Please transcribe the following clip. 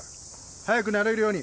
早く慣れるように。